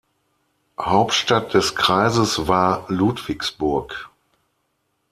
Hauptstadt des Kreises war Ludwigsburg.